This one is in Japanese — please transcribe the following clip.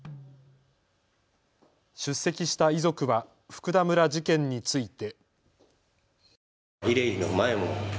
出席した遺族は福田村事件について。